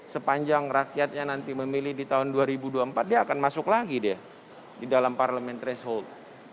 sepanjang rakyatnya nanti memilih di tahun dua ribu dua puluh empat dia akan masuk lagi dia di dalam parliamentary hold